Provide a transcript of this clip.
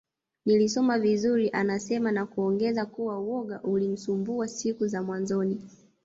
Nilisoma vizuri anasema na kuongeza kuwa woga ulimsumbua siku za mwanzoni